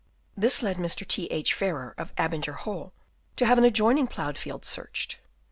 This led Mr. T. H. Farrer of Abinger Hall to have an adjoining ploughed field searched.